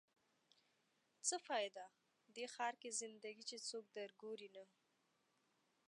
څه فایده؟ دې ښار کې زنده ګي چې څوک در ګوري نه